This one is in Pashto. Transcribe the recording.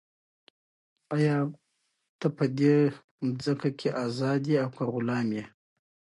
آیا ته په دې مځکه کې ازاد یې او که غلام یې؟